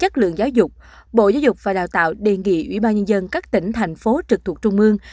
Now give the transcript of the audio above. trường giáo dục bộ giáo dục và đào tạo đề nghị ủy ban nhân dân các tỉnh thành phố trực thuộc trung mương